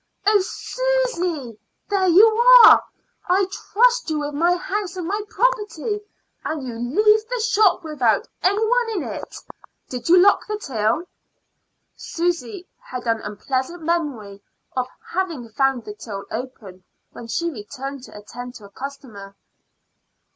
"Oh, Susy? there you are! I trust you with my house and property, and you leave the shop without any one in it Did you lock the till?" Susy had an unpleasant memory of having found the till open when she returned to attend to a customer.